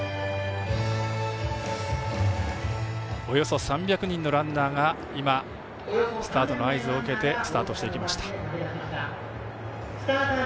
およそ３００人のランナーが今、スタートの合図を受けてスタートしていきました。